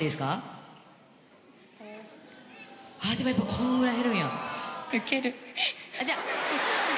でもやっぱこんぐらい減るんや。